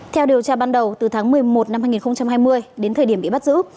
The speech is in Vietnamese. theo điều tra ban đầu từ tháng một mươi một năm hai nghìn hai mươi đến thời điểm bị bắt giữ